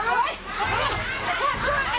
สวัสดีครับ